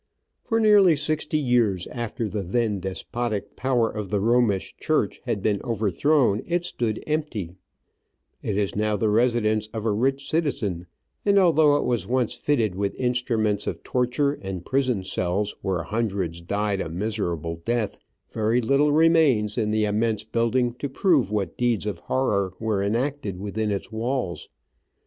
For nearly sixty years after the then despotic power of the Romish Church had been overthrown it stood empty ; it is now the residence of a rich citizen, and although it was once fitted with instruments of torture, and prison cells where hundreds died a miserable death, very little remains in the immense building to prove what deeds of horror were enacted within its avails.